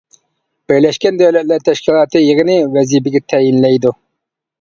بىرلەشكەن دۆلەتلەر تەشكىلاتى يىغىنى ۋەزىپىگە تەيىنلەيدۇ.